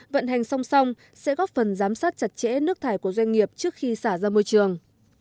vận hành song song sẽ góp phần giám sát chặt chẽ nước thải của doanh nghiệp trước khi xả ra môi trường